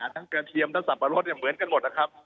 ทั้งกระเทียมทั้งสับปะรดเหมือนกันหมดนะครับ